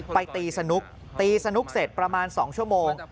ไปตีสนุกตีสนุกเสร็จประมาณ๒ชั่วโมง